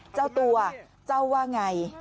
เจ้าตัวเจ้าว่าอย่างไร